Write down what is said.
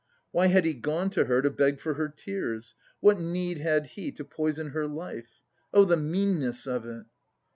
"Why had he gone to her to beg for her tears? What need had he to poison her life? Oh, the meanness of it!"